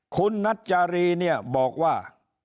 คุณนัจจารีเนี่ยบอกว่า